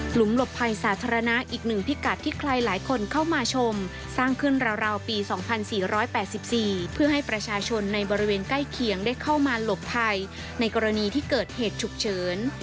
หลบภัยสาธารณะอีกหนึ่งพิกัดที่ใครหลายคนเข้ามาชมสร้างขึ้นราวปี๒๔๘๔เพื่อให้ประชาชนในบริเวณใกล้เคียงได้เข้ามาหลบภัยในกรณีที่เกิดเหตุฉุกเฉิน